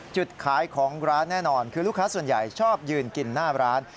จุดขายของร้านแน่นอนคือลูกค้าส่วนใหญ่ชอบยืนกินหน้าร้าน